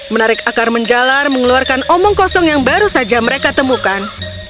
menarik akar menjalar mengeluarkan omong kosong yang baru saja mereka temukan